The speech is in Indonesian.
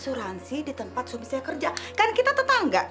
asuransi di tempat suami saya kerja kan kita tetangga